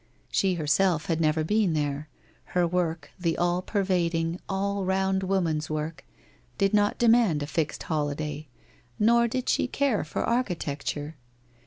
She herself had never been there, her work, the all pervading, all round woman's work, did not demand a fixed holiday, nor did she care for architecture.